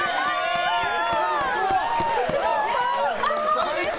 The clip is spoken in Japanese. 最高！